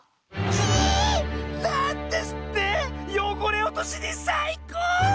キイー！なんですってよごれおとしにさいこう⁉